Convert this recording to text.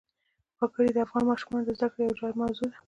وګړي د افغان ماشومانو د زده کړې یوه جالبه موضوع ده.